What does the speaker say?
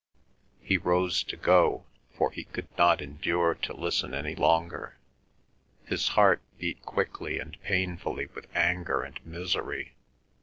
He rose to go, for he could not endure to listen any longer; his heart beat quickly and painfully with anger and misery.